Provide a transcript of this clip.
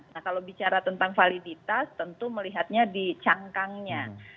nah kalau bicara tentang validitas tentu melihatnya di cangkangnya